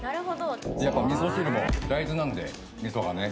やっぱみそ汁も大豆なんでみそがね。